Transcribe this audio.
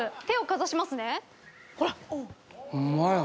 手をかざしますね。